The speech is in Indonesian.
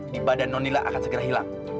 di badan nonila akan segera hilang